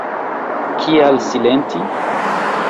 Kial silenti?